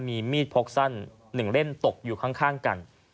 มีมีดพกสั้น๑เล่มตกอยู่ข้างกัน